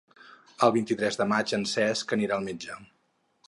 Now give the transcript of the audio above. El vint-i-tres de maig en Cesc anirà al metge.